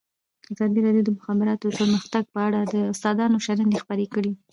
ازادي راډیو د د مخابراتو پرمختګ په اړه د استادانو شننې خپرې کړي.